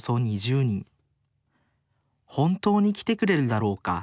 本当に来てくれるだろうか。